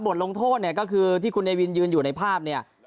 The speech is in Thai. ลงโทษเนี่ยก็คือที่คุณเนวินยืนอยู่ในภาพเนี่ย